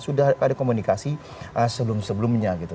sudah ada komunikasi sebelum sebelumnya gitu